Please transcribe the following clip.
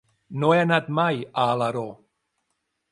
No he anat mai a Alaró.